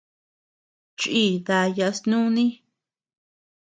Chii daya snuni.